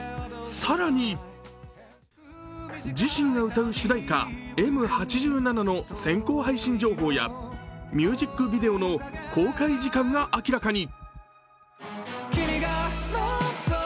更に自身が歌う主題歌「Ｍ八七」の先行配信情報やミュージックビデオの公開時間が明らかに。